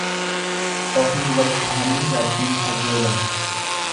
Ofii wal tahanii Rabbiin kajeelan.